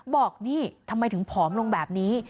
บอกนี่ทำไมถึงผอมลงแบบนี้